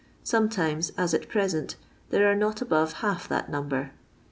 Sometimes, as at present, there are not above half the number.